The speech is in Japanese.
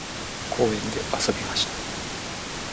公園で遊びました。